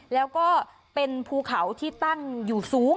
แล้วคือภูเขาที่เต้นอยู่สูง